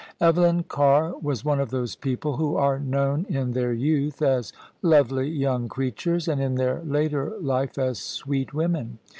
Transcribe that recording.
Eveline Carr was one of those people who are known in their youth as * lovely young creatures,' and in their later life as * sweet women.'